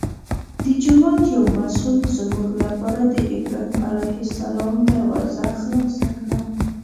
د جومات یو مسوول زموږ لپاره د ابراهیم علیه السلام دروازه خلاصه کړه.